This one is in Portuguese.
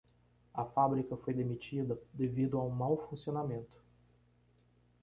A fábrica foi demitida devido a um mau funcionamento.